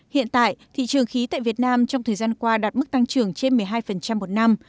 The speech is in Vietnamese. hiện tại thị trường khí tại việt nam trong thời gian qua đạt mức tăng trưởng trên một mươi hai một năm